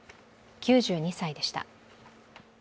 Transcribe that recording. ９２歳でした。